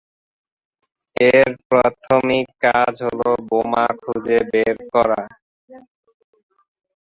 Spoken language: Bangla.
এর প্রাথমিক কাজ হল বোমা খুঁজে বের করা।